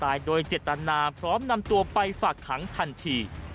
โดยเจตนาพร้อมนำตัวไปฝากขังทันที